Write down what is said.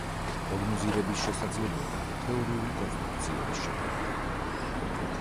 პროგნოზირების შესაძლებლობა თეორიული კონსტრუქციების შედეგია.